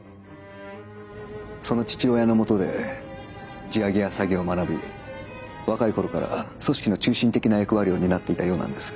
その父親のもとで地上げや詐欺を学び若い頃から組織の中心的な役割を担っていたようなんです。